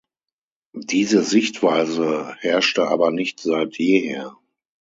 Diese Sichtweise herrschte aber nicht seit jeher.